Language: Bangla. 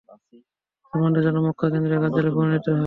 মুসলমানদের জন্য মক্কা কেন্দ্রীয় কার্যালয়ে পরিণত হয়।